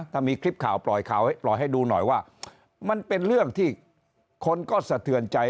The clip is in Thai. ถ้ามีคลิปข่าวปล่อยข่าวให้ปล่อยให้ดูหน่อยว่ามันเป็นเรื่องที่คนก็สะเทือนใจ